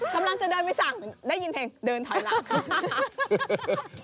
กำลังจะเดินไปสั่งได้ยินเพลงเดินถอยหลัง